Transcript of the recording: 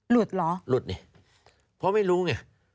หลุดเหรอหลุดเนี่ยพอไม่รู้ไง